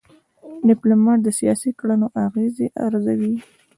ډيپلومات د سیاسي کړنو اغېز ارزوي.